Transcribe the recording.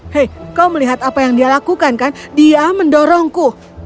hei kau melihat apa yang dia lakukan kan dia mendorongku